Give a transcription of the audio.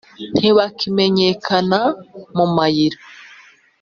ntibakimenyekana mu mayira;